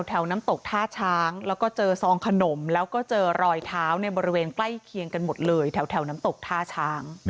น้ำตกท่าช้างแล้วก็เจอซองขนมแล้วก็เจอรอยเท้าในบริเวณใกล้เคียงกันหมดเลยแถวน้ำตกท่าช้าง